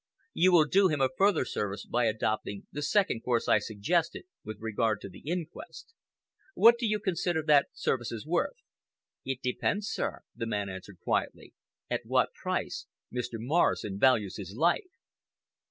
You will do him a further service by adopting the second course I suggested with regard to the inquest. What do you consider that service is worth?" "It depends, sir," the man answered quietly, "at what price Mr. Morrison values his life!"